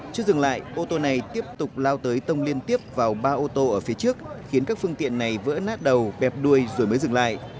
chưa dừng lại ô tô này tiếp tục lao tới tông liên tiếp vào ba ô tô ở phía trước khiến các phương tiện này vỡ nát đầu bẹp đuôi rồi mới dừng lại